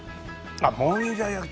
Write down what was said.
あっ「もんじゃ焼き」。